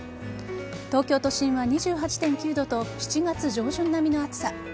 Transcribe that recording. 東京都心は２８．９度と７月上旬並みの暑さ。